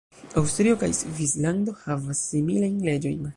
Aŭstrio kaj Svislando havas similajn leĝojn.